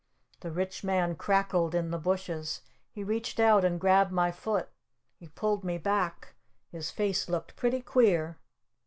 The Rich Man crackled in the bushes. He reached out and grabbed my foot. He pulled me back. His face looked pretty queer.